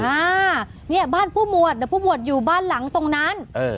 อ่าเนี่ยบ้านผู้หมวดเนี่ยผู้บวชอยู่บ้านหลังตรงนั้นเออ